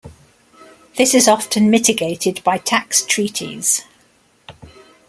This is often mitigated by tax treaties.